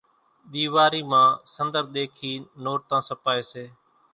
ۮيواري مان سنۮر ۮيکين نورتان ساپي سي